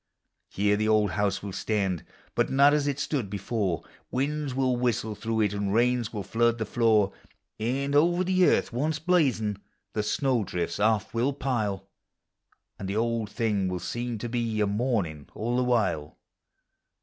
Here the old house will stand, but not as it stood before : Winds will whistle through it, and rains will Hood the tloor; And over the hearth, once blazing, the snow drifts oft will pile, And the old thing will seem to be a mouruin' all the while.